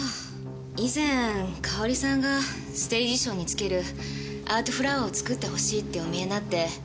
以前かおりさんがステージ衣装に付けるアートフラワーを作ってほしいってお見えになって。